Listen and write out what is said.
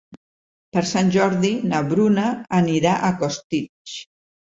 Per Sant Jordi na Bruna anirà a Costitx.